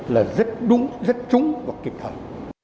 là rất đúng rất trúng và kịp thẳng